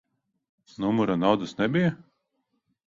Numurā naudas nebija?